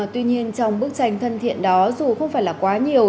tuy nhiên trong bức tranh thân thiện đó dù không phải là quá nhiều